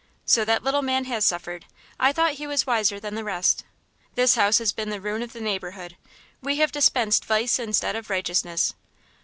"So that little man has suffered. I thought he was wiser than the rest.... This house has been the ruin of the neighbourhood; we have dispensed vice instead of righteousness."